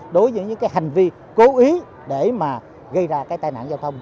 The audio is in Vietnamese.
đối với những cái hành vi cố ý để mà gây ra cái tai nạn giao thông